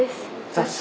雑誌？